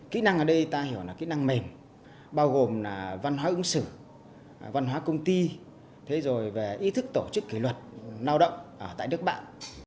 kỹ năng ở đây ta hiểu là kỹ năng mềm bao gồm là văn hóa ứng xử văn hóa công ty thế rồi về ý thức tổ chức kỷ luật lao động ở tại nước bạn